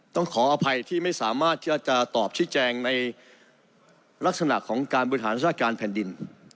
ต้องขออภัยที่ไม่สามารถที่จะตอบชี้แจงในลักษณะของการบริหารราชการแผ่นดิน